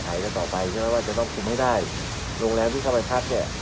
กันต่อไปใช่ไหมว่าจะต้องคุมให้ได้โรงแรมที่เข้าไปพักเนี่ย